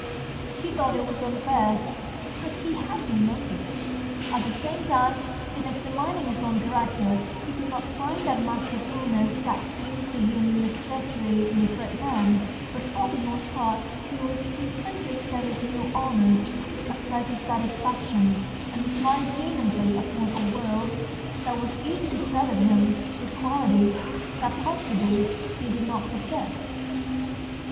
He thought it was unfair, but he had remembered it. At the same time, in examin ing his own character, he could not find that masterfulness that seemed to him necessary in a great man. But for the most part he was content to accept his new honours with a placid satisfaction, and to smile genially upon a world that was eager to credit him with qualities that possibly he did not possess.